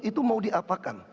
itu mau diapakan